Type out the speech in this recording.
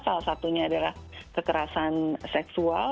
salah satunya adalah kekerasan seksual